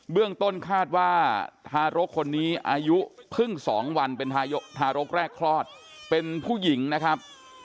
เรื่องต้นคาดว่าทารกคนนี้อายุเพิ่ง๒วันเป็นทารกแรกคลอดเป็นผู้หญิงนะครับ